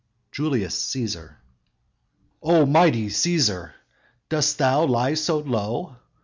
"JULIUS CÆSAR." _"O mighty Cæsar! Dost thou lie so low?